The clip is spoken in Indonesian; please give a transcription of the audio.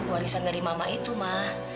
warisan dari mama itu mah